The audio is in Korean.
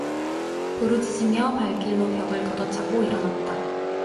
부르짖으며 발길로 벽을 걷어차고 일어났다.